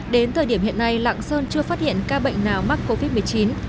đến thời điểm hiện nay lạng sơn chưa phát hiện ca bệnh nào mắc covid một mươi chín